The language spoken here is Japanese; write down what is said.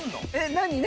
何？